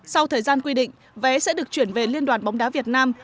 sau thời gian quy định vé sẽ được chuyển về liên đoàn bóng đá việt nam